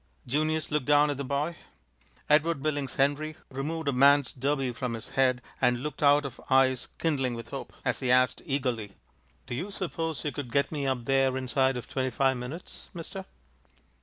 Junius looked down at the boy. Edward Billings Henry removed a man's derby from his head and looked out of eyes kindling with hope, as he asked eagerly: "Do you suppose you could get me up there inside of twenty five minutes, mister?"